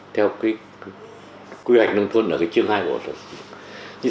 theo cái quy hoạch đông thôn ở cái chương hai của luật xây dựng